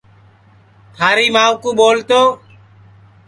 تھاری مائوں ٻول تو